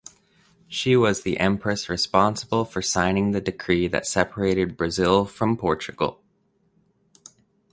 She was the empress responsible for signing the decree that separated Brazil from Portugal.